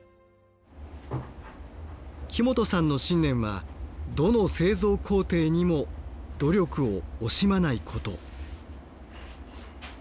木本さんの信念はどの製造工程にも努力を惜しまないこと。